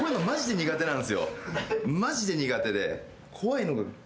マジで苦手で。